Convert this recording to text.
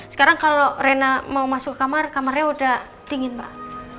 sekarang kalau reyna mau masuk ke kamar kamarnya udah dingin mbak